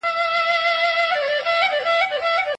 الله اکبر، الله اکبر